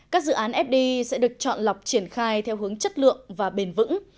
các dự án fdi sẽ được chọn lọc triển khai theo hướng chất lượng và bền vững